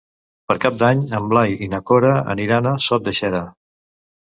Per Cap d'Any en Blai i na Cora aniran a Sot de Xera.